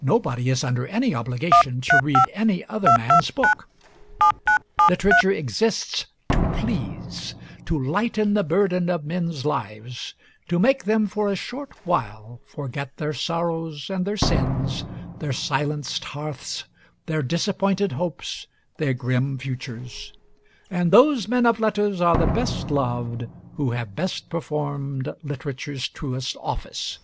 Nobody is under any obligation to read any other man's book. Literature exists to please, to lighten the burden of men's lives; to make them for a short while forget their sorrows and their sins, their silenced hearths, their disappointed hopes, their grim futures and those men of letters are the best loved who have best performed literature's truest office.